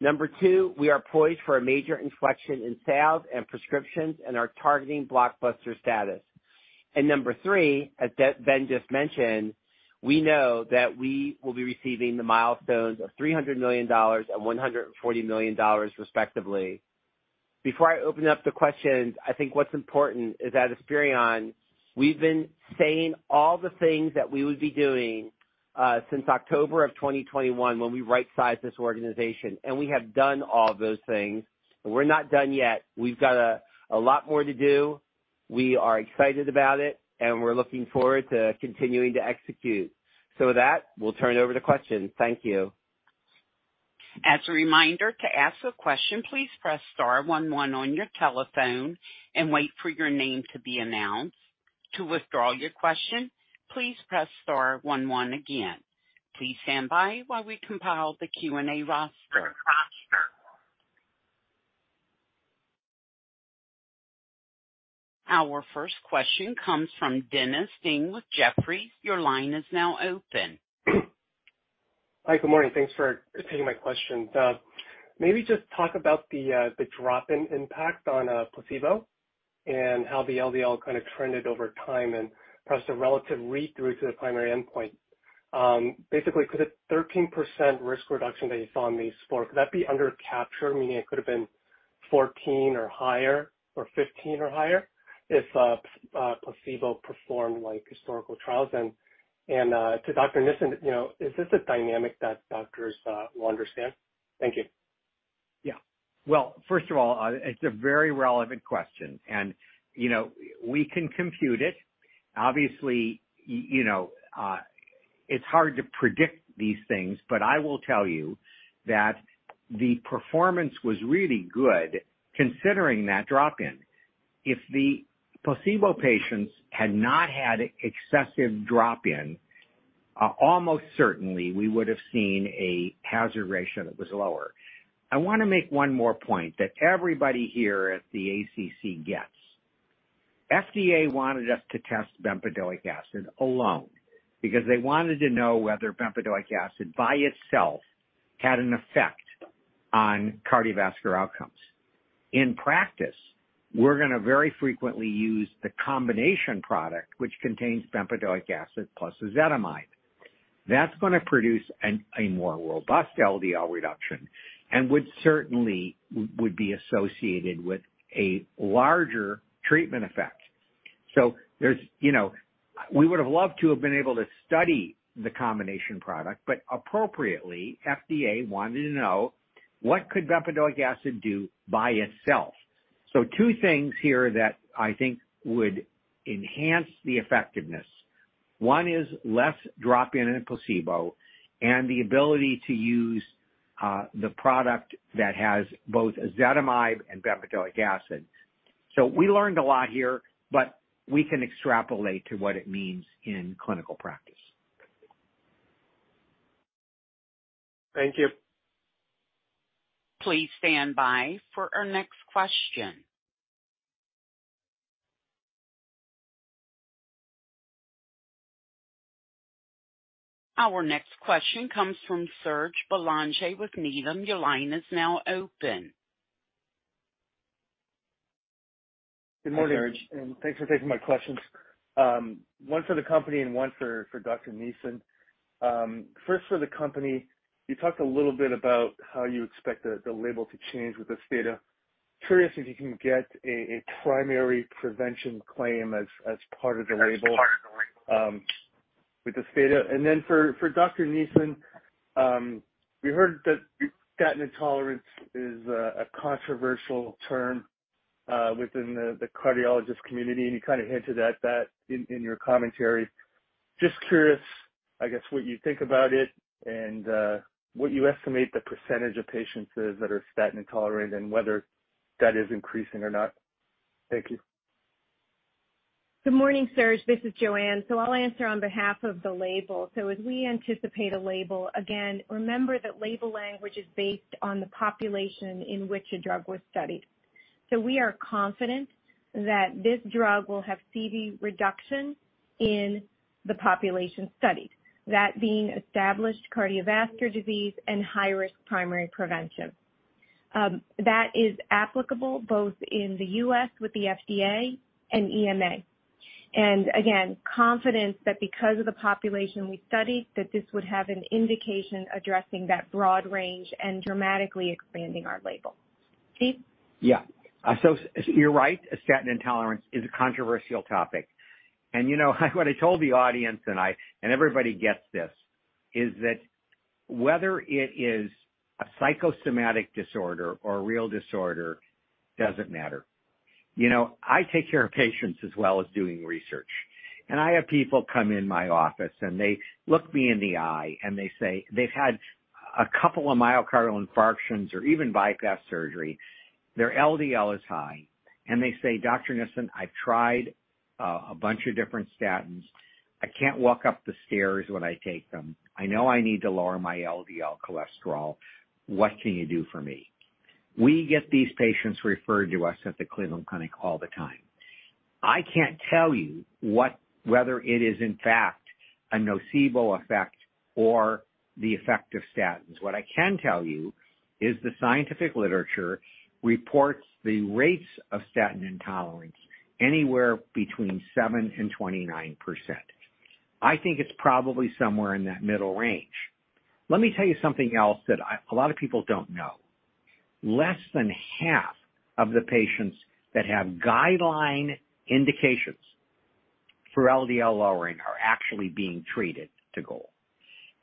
Speaker 3: Number two, we are poised for a major inflection in sales and prescriptions and are targeting blockbuster status. Number three, as Ben just mentioned, we know that we will be receiving the milestones of $300 million and $140 million, respectively. Before I open up the questions, I think what's important is at Esperion, we've been saying all the things that we would be doing since October of 2021 when we right-sized this organization. We have done all of those things. We're not done yet. We've got a lot more to do. We are excited about it, and we're looking forward to continuing to execute. With that, we'll turn it over to questions. Thank you.
Speaker 1: As a reminder, to ask a question, please press star one one on your telephone and wait for your name to be announced. To withdraw your question, please press star one one again. Please stand by while we compile the Q&A roster. Our first question comes from Dennis Ding with Jefferies. Your line is now open.
Speaker 9: Hi. Good morning. Thanks for taking my question. Maybe just talk about the drop in impact on placebo and how the LDL kind of trended over time and perhaps the relative read-through to the primary endpoint. Basically, could the 13% risk reduction that you saw in these four, could that be undercapture, meaning it could have been 14% or higher or 15% or higher if placebo performed like historical trials? To Dr. Nissen, you know, is this a dynamic that doctors will understand? Thank you.
Speaker 5: Yeah. Well, first of all, it's a very relevant question, and, you know, we can compute it. Obviously, you know, it's hard to predict these things, but I will tell you that the performance was really good considering that drop-in. If the placebo patients had not had excessive drop-in, almost certainly we would have seen a hazard ratio that was lower. I wanna make one more point that everybody here at the ACC gets. FDA wanted us to test bempedoic acid alone because they wanted to know whether bempedoic acid by itself had an effect on cardiovascular outcomes. In practice, we're gonna very frequently use the combination product which contains bempedoic acid plus ezetimibe. That's gonna produce a more robust LDL reduction and would certainly be associated with a larger treatment effect. There's... You know, we would have loved to have been able to study the combination product, but appropriately, FDA wanted to know what could bempedoic acid do by itself. Two things here that I think would enhance the effectiveness. One is less drop-in in a placebo, and the ability to use the product that has both ezetimibe and bempedoic acid. We learned a lot here, but we can extrapolate to what it means in clinical practice.
Speaker 9: Thank you.
Speaker 1: Please stand by for our next question. Our next question comes from Serge Belanger with Needham. Your line is now open.
Speaker 10: Good morning. Thanks for taking my questions. One for the company and one for Dr. Nissen. First for the company. You talked a little bit about how you expect the label to change with this data. Curious if you can get a primary prevention claim as part of the label with this data. For Dr. Nissen, we heard that statin intolerance is a controversial term within the cardiologist community, and you kinda hinted at that in your commentary. Just curious, I guess, what you think about it and what you estimate the percentage of patients is that are statin-intolerant and whether that is increasing or not. Thank you.
Speaker 4: Good morning, Serge. This is JoAnne. I'll answer on behalf of the label. As we anticipate a label, again, remember that label language is based on the population in which a drug was studied. We are confident that this drug will have CD reduction in the population studied, that being established cardiovascular disease and high-risk primary prevention. That is applicable both in the U.S. with the FDA and EMA. Again, confidence that because of the population we studied, that this would have an indication addressing that broad range and dramatically expanding our label. Steve?
Speaker 5: Yeah. You're right. Statin intolerance is a controversial topic. You know, what I told the audience, and everybody gets this, is that whether it is a psychosomatic disorder or a real disorder doesn't matter. You know, I take care of patients as well as doing research, and I have people come in my office and they look me in the eye and they say... They've had a couple of myocardial infarctions or even bypass surgery. Their LDL is high, and they say, "Dr. Nissen, I've tried a bunch of different statins. I can't walk up the stairs when I take them. I know I need to lower my LDL cholesterol. What can you do for me?" We get these patients referred to us at the Cleveland Clinic all the time. I can't tell you whether it is in fact a nocebo effect or the effect of statins. I can tell you is the scientific literature reports the rates of statin intolerance anywhere between 7% and 29%. I think it's probably somewhere in that middle range. Let me tell you something else that a lot of people don't know. Less than half of the patients that have guideline indications for LDL lowering are actually being treated to goal.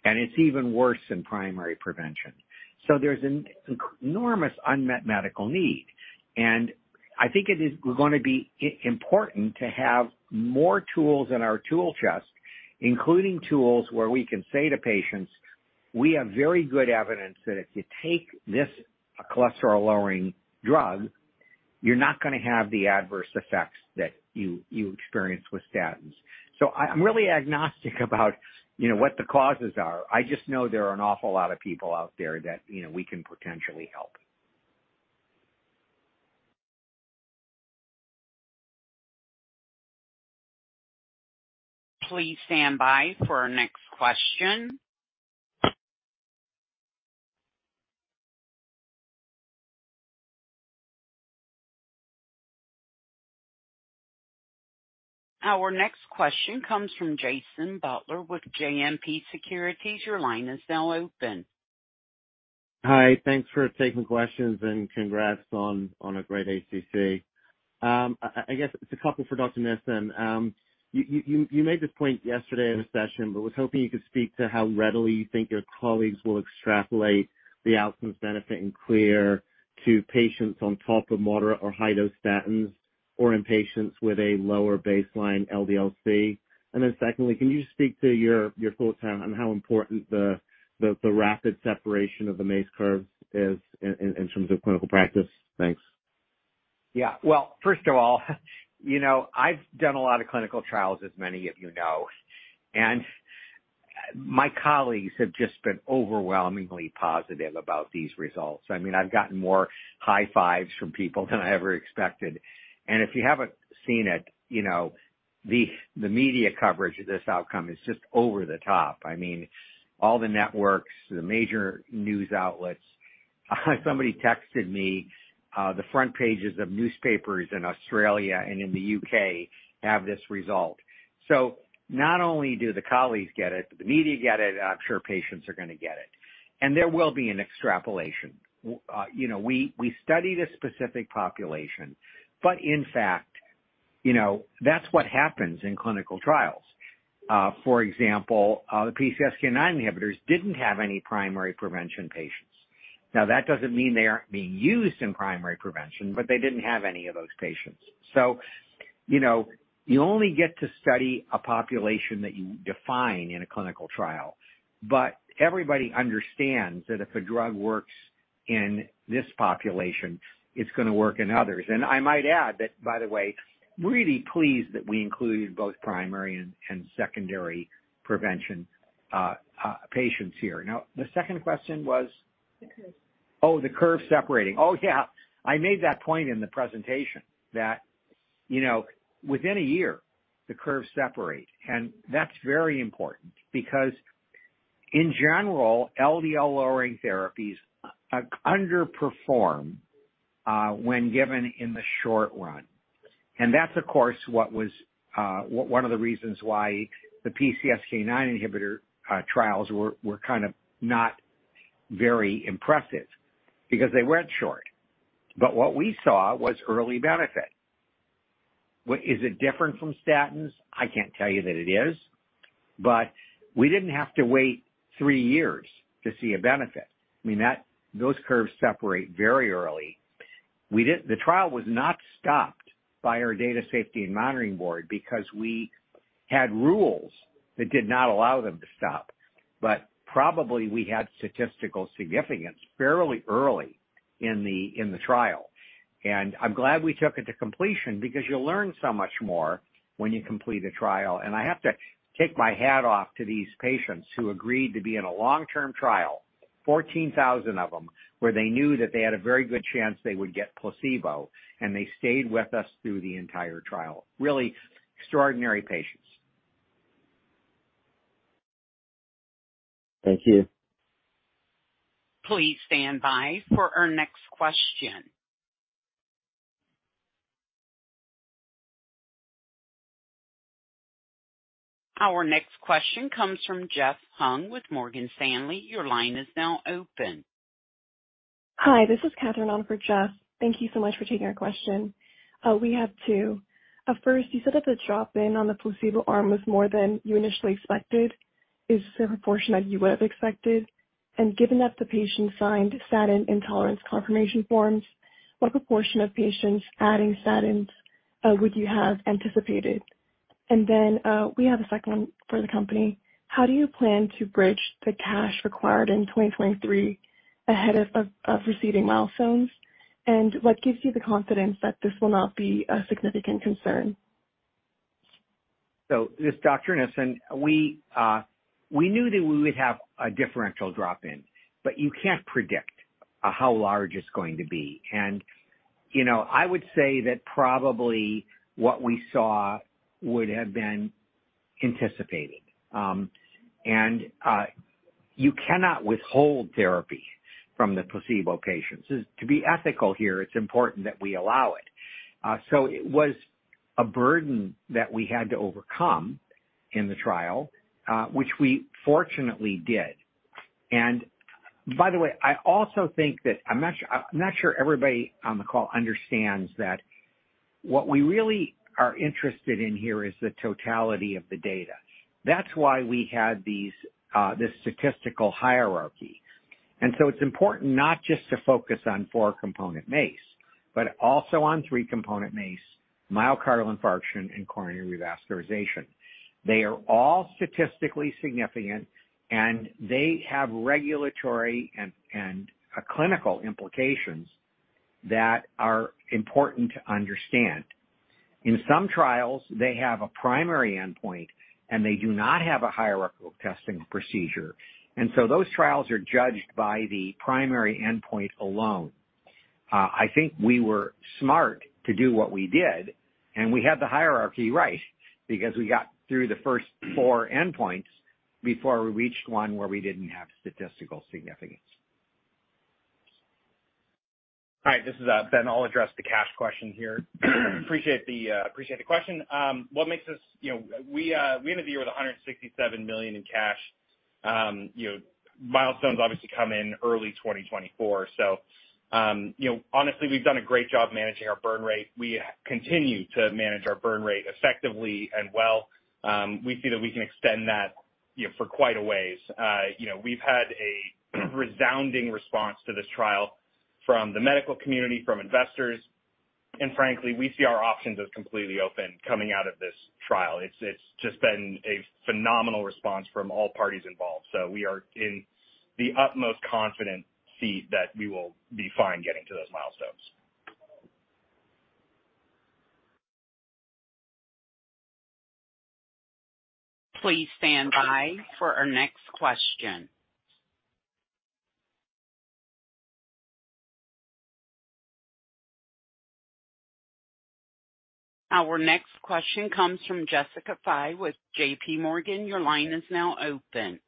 Speaker 5: It's even worse in primary prevention. There's an enormous unmet medical need. I think it is gonna be important to have more tools in our tool chest. Including tools where we can say to patients, we have very good evidence that if you take this cholesterol-lowering drug, you're not gonna have the adverse effects that you experience with statins. I'm really agnostic about, you know, what the causes are. I just know there are an awful lot of people out there that, you know, we can potentially help.
Speaker 1: Please stand by for our next question. Our next question comes from Jason Butler with JMP Securities. Your line is now open.
Speaker 11: Hi. Thanks for taking questions. Congrats on a great ACC. I guess it's a couple for Dr. Nissen. You made this point yesterday in a session, but was hoping you could speak to how readily you think your colleagues will extrapolate the outcomes benefit in CLEAR to patients on top of moderate or high-dose statins or in patients with a lower baseline LDL-C? Secondly, can you just speak to your thoughts on how important the rapid separation of the MACE curves is in terms of clinical practice? Thanks.
Speaker 5: Well, first of all, you know, I've done a lot of clinical trials, as many of you know, my colleagues have just been overwhelmingly positive about these results. I mean, I've gotten more high fives from people than I ever expected. If you haven't seen it, you know, the media coverage of this outcome is just over the top. I mean, all the networks, the major news outlets. Somebody texted me, the front pages of newspapers in Australia and in the U.K. have this result. Not only do the colleagues get it, but the media get it. I'm sure patients are gonna get it, there will be an extrapolation. You know, we studied a specific population, in fact, you know, that's what happens in clinical trials. For example, the PCSK9 inhibitors didn't have any primary prevention patients. That doesn't mean they aren't being used in primary prevention, but they didn't have any of those patients. You know, you only get to study a population that you define in a clinical trial, but everybody understands that if a drug works in this population, it's gonna work in others. I might add that, by the way, really pleased that we included both primary and secondary prevention patients here. The second question was?
Speaker 4: The curve.
Speaker 5: The curve separating. Yeah. I made that point in the presentation that, you know, within a year the curves separate. That's very important because in general, LDL lowering therapies underperform when given in the short run. That's of course, what was one of the reasons why the PCSK9 inhibitor trials were kind of not very impressive because they weren't short. What we saw was early benefit. Is it different from statins? I can't tell you that it is, but we didn't have to wait three years to see a benefit. I mean, those curves separate very early. The trial was not stopped by our Data Safety and Monitoring Board because we had rules that did not allow them to stop. Probably we had statistical significance fairly early in the trial. I'm glad we took it to completion because you learn so much more when you complete a trial. I have to take my hat off to these patients who agreed to be in a long-term trial, 14,000 of them, where they knew that they had a very good chance they would get placebo, and they stayed with us through the entire trial. Really extraordinary patients.
Speaker 11: Thank you.
Speaker 1: Please stand by for our next question. Our next question comes from Jeff Hung with Morgan Stanley. Your line is now open.
Speaker 12: Hi, this is Katherine on for Jeff. Thank you so much for taking our question. We have two. First, you said that the drop-in on the placebo arm was more than you initially expected. Is this the proportion that you would have expected? Given that the patients signed statin intolerance confirmation forms, what proportion of patients adding statins would you have anticipated? Then, we have a second one for the company. How do you plan to bridge the cash required in 2023 ahead of receiving milestones? What gives you the confidence that this will not be a significant concern?
Speaker 5: This is Dr. Nissen. We knew that we would have a differential drop-in, but you can't predict how large it's going to be. You know, I would say that probably what we saw would have been anticipated. You cannot withhold therapy from the placebo patients. To be ethical here, it's important that we allow it. It was a burden that we had to overcome in the trial, which we fortunately did. By the way, I also think that I'm not sure everybody on the call understands that what we really are interested in here is the totality of the data. That's why we had these, this statistical hierarchy. It's important not just to focus on four-component MACE, but also on three-component MACE, myocardial infarction and coronary revascularization. They are all statistically significant and they have regulatory and clinical implications that are important to understand. In some trials, they have a primary endpoint and they do not have a hierarchical testing procedure. Those trials are judged by the primary endpoint alone. I think we were smart to do what we did, and we had the hierarchy right because we got through the first four endpoints before we reached one where we didn't have statistical significance.
Speaker 8: All right, this is Ben. I'll address the cash question here. Appreciate the question. You know, we ended the year with $167 million in cash. You know, milestones obviously come in early 2024. You know, honestly we've done a great job managing our burn rate. We continue to manage our burn rate effectively and well. We see that we can extend that, you know, for quite a ways. You know, we've had a resounding response to this trial from the medical community, from investors and frankly, we see our options as completely open coming out of this trial. It's just been a phenomenal response from all parties involved. We are in the utmost confident seat that we will be fine getting to those milestones.
Speaker 1: Please stand by for our next question. Our next question comes from Jessica Fye with JPMorgan. Your line is now open.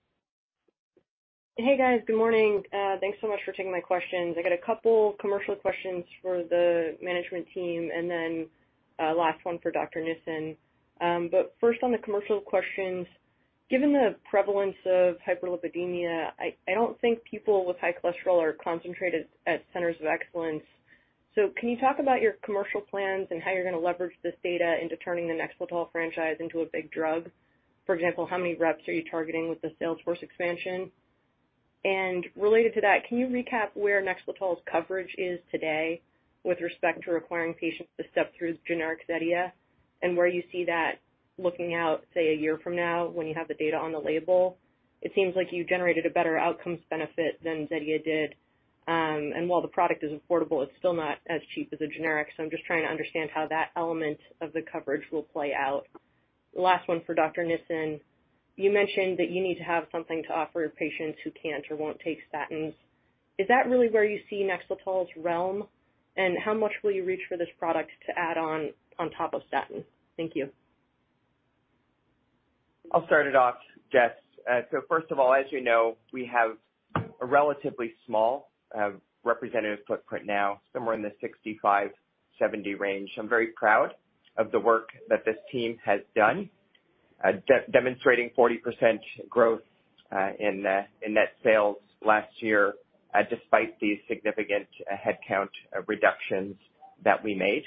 Speaker 13: Hey guys, good morning. Thanks so much for taking my questions. I got a couple commercial questions for the management team and then a last one for Dr. Nissen. First on the commercial questions, given the prevalence of hyperlipidemia, I don't think people with high cholesterol are concentrated at centers of excellence. Can you talk about your commercial plans and how you're going to leverage this data into turning the NEXLETOL franchise into a big drug? For example, how many reps are you targeting with the sales force expansion? Related to that, can you recap where NEXLETOL's coverage is today with respect to requiring patients to step through generic Zetia and where you see that looking out, say, a year from now when you have the data on the label? It seems like you generated a better outcomes benefit than Zetia did. While the product is affordable, it's still not as cheap as a generic. I'm just trying to understand how that element of the coverage will play out. Last one for Dr. Nissen. You mentioned that you need to have something to offer patients who can't or won't take statins. Is that really where you see NEXLETOL's realm? How much will you reach for this product to add on on top of statin? Thank you.
Speaker 6: I'll start it off, Jess. First of all, as you know, we have a relatively small representative footprint now, somewhere in the 65, 70 range. I'm very proud of the work that this team has done, demonstrating 40% growth in net sales last year, despite the significant headcount reductions that we made.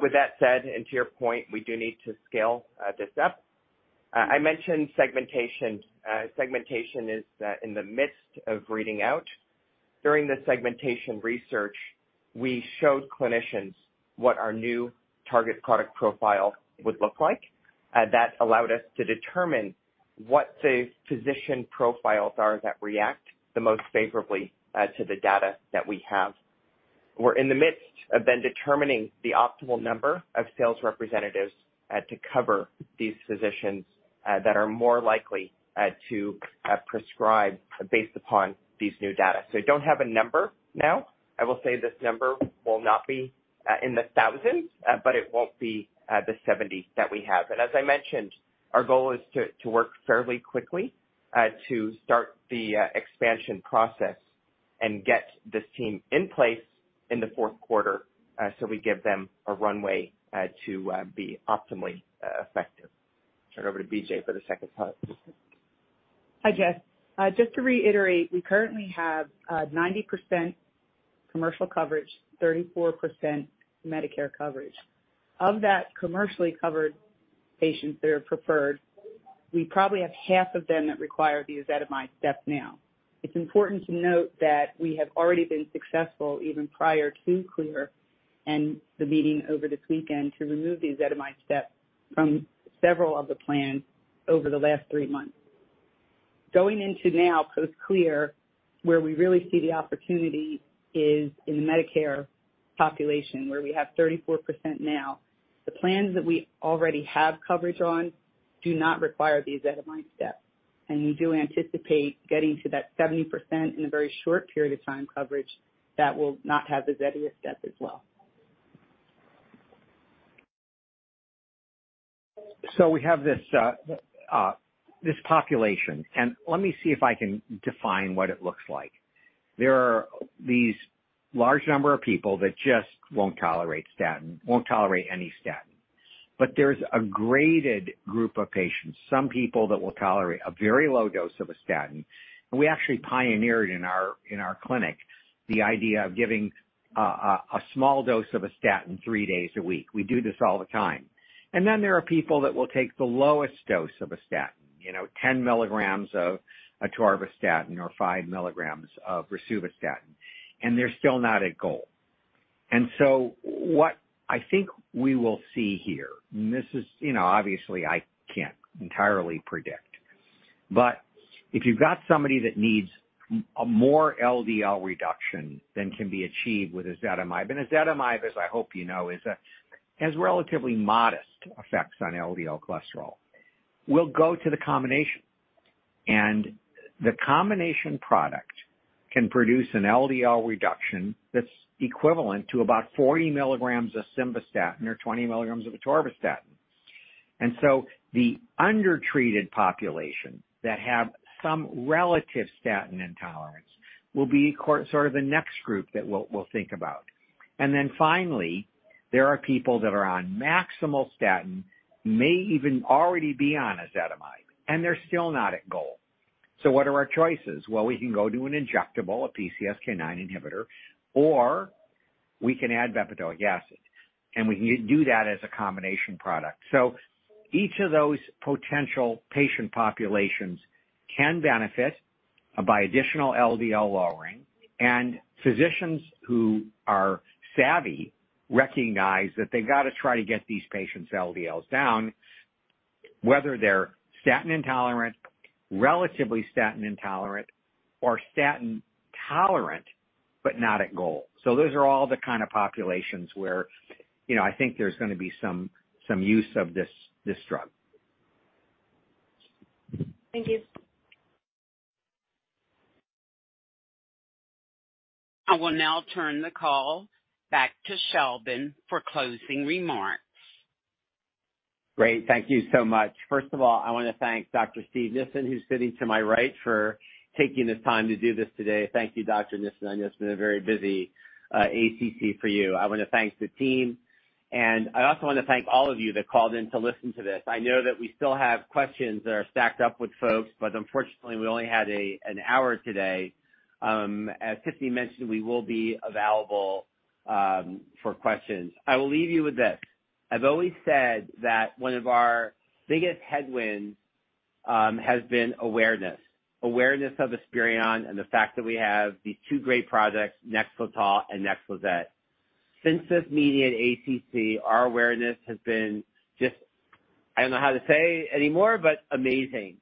Speaker 6: With that said, and to your point, we do need to scale this up. I mentioned segmentation. Segmentation is in the midst of reading out. During the segmentation research, we showed clinicians what our new target product profile would look like. That allowed us to determine what the physician profiles are that react the most favorably to the data that we have. We're in the midst of then determining the optimal number of sales representatives, to cover these physicians, that are more likely, to prescribe based upon these new data. I don't have a number now. I will say this number will not be in the thousands, but it won't be the 70s that we have. As I mentioned, our goal is to work fairly quickly, to start the expansion process and get this team in place in the 4th quarter, so we give them a runway, to be optimally effective. Turn over to B.J. for the second part.
Speaker 7: Hi, Jess. Just to reiterate, we currently have 90% commercial coverage, 34% Medicare coverage. Of that commercially covered patients that are preferred, we probably have half of them that require the ezetimibe step now. It's important to note that we have already been successful even prior to CLEAR and the meeting over this weekend to remove the ezetimibe step from several of the plans over the last three months. Going into now post-CLEAR, where we really see the opportunity is in the Medicare population, where we have 34% now. The plans that we already have coverage on do not require the ezetimibe step, and we do anticipate getting to that 70% in a very short period of time coverage that will not have the Zetia step as well.
Speaker 5: We have this population. Let me see if I can define what it looks like. There are these large number of people that just won't tolerate statin, won't tolerate any statin. There's a graded group of patients, some people that will tolerate a very low dose of a statin. We actually pioneered in our clinic the idea of giving a small dose of a statin three days a week. We do this all the time. There are people that will take the lowest dose of a statin, you know, 10 mg of atorvastatin or 5 mg of rosuvastatin, and they're still not at goal. What I think we will see here, and this is, you know, obviously I can't entirely predict, but if you've got somebody that needs more LDL reduction than can be achieved with ezetimibe, and ezetimibe, as I hope you know, has relatively modest effects on LDL cholesterol. We'll go to the combination, and the combination product can produce an LDL reduction that's equivalent to about 40 mg of simvastatin or 20 mg of atorvastatin. The undertreated population that have some relative statin intolerance will be sort of the next group that we'll think about. Finally, there are people that are on maximal statin, may even already be on ezetimibe, and they're still not at goal. What are our choices? We can go to an injectable, a PCSK9 inhibitor, or we can add bempedoic acid, and we can do that as a combination product. Each of those potential patient populations can benefit by additional LDL lowering, and physicians who are savvy recognize that they gotta try to get these patients' LDLs down, whether they're statin intolerant, relatively statin intolerant, or statin tolerant, but not at goal. Those are all the kind of populations where, you know, I think there's gonna be some use of this drug.
Speaker 13: Thank you.
Speaker 1: I will now turn the call back to Sheldon for closing remarks.
Speaker 3: Great. Thank you so much. First of all, I want to thank Dr. Steve Nissen, who's sitting to my right, for taking the time to do this today. Thank you, Dr. Nissen. I know it's been a very busy ACC for you. I want to thank the team. I also want to thank all of you that called in to listen to this. I know that we still have questions that are stacked up with folks, but unfortunately, we only had an hour today. As Tiffany mentioned, we will be available for questions. I will leave you with this. I've always said that one of our biggest headwinds has been awareness. Awareness of Esperion and the fact that we have these two great projects, NEXLETOL and NEXLIZET. Since this meeting at ACC, our awareness has been just... I don't know how to say anymore, amazing.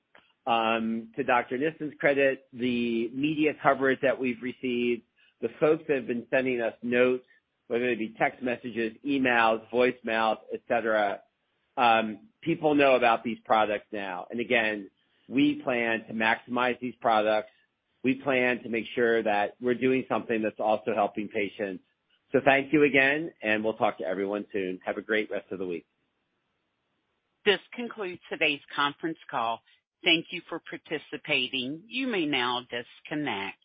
Speaker 3: To Dr. Nissen's credit, the media coverage that we've received, the folks that have been sending us notes, whether they be text messages, emails, voicemails, et cetera, people know about these products now. Again, we plan to maximize these products. We plan to make sure that we're doing something that's also helping patients. Thank you again, we'll talk to everyone soon. Have a great rest of the week.
Speaker 1: This concludes today's conference call. Thank you for participating. You may now disconnect.